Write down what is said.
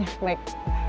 sampai jumpa pak